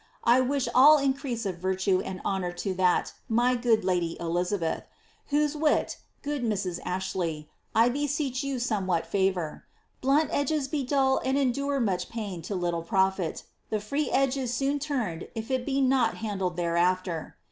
I wish all increase of virtue and honour to that, my good lady (Elizabeth), whose wit; good Mrs. Astley, I beseech jou somewhat &vour. Blunt edges be dull and (en ) dun much pain to little profit ; the free edge is soon turned if it be doc handled thereafter.